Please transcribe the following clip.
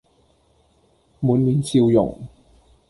滿面笑容，